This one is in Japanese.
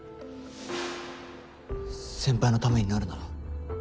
先輩の為になるなら。